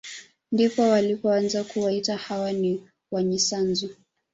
Ndipo walipoanza kuwaita hawa ni wanyisanzu